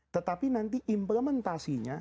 tetapi nanti implementasinya